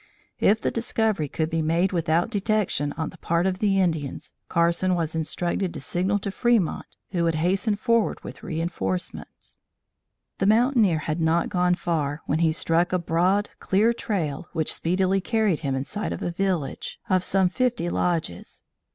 If the discovery could be made without detection on the part of the Indians, Carson was instructed to signal to Fremont who would hasten forward with reinforcements. The mountaineer had not gone far, when he struck a broad, clear trail, which speedily carried him in sight of a village of some fifty lodges.